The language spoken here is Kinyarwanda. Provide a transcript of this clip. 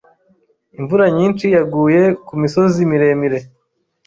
imvura nyinshi yaguye mu misozi miremire